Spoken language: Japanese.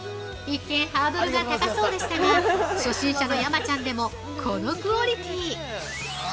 一見ハードルが高そうでしたが、初心者の山ちゃんでもこのクオリティー。